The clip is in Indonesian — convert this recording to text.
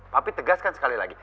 papi tegaskan sekali lagi